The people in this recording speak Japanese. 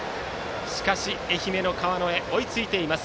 しかし、愛媛の川之江追いついています。